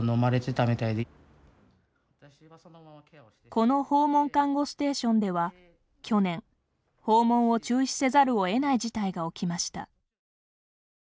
この訪問看護ステーションでは去年、訪問を中止せざるを得ない事態が起きました。